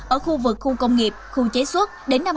ở khu vực khu công nghiệp khu chế xuất đến năm hai nghìn ba mươi